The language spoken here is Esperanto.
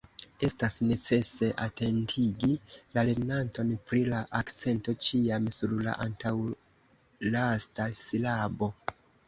Estas necese atentigi la lernanton pri la akcento ĉiam sur la antaŭlasta silabo.